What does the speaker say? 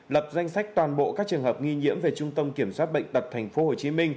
lập danh sách toàn bộ các trường hợp nghi nhiễm về trung tâm kiểm soát bệnh tật tp hcm